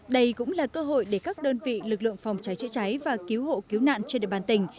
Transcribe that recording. đây cũng là cơ hội để các đơn vị lực lượng phòng cháy chữa cháy và cứu hộ cứu nạn trên địa bàn tỉnh